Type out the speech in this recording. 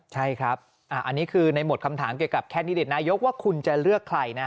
ใช่ครับอันนี้คือในหมดคำถามเกี่ยวกับแคนดิเดตนายกว่าคุณจะเลือกใครนะ